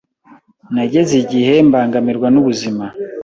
Nageze igihe mbangamirwa n’ubuzima